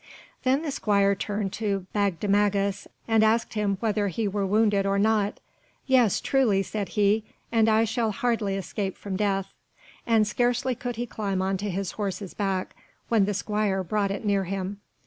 Then the squire turned to Bagdemagus, and asked him whether he were wounded or not. "Yes, truly," said he, "and I shall hardly escape from death;" and scarcely could he climb on to his horse's back when the squire brought it near him.